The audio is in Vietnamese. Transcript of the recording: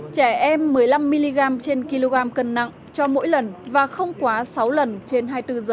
trẻ em một mươi năm mg trên kg cân nặng cho mỗi lần và không quá sáu lần trên hai mươi bốn giờ